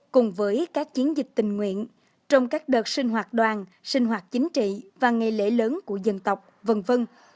cùng với các chiến dịch tình nguyện trong các đợt sinh hoạt đoàn sinh hoạt chính trị và ngày lễ lớn của dân tộc v v